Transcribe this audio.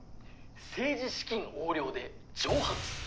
政治資金横領で蒸発！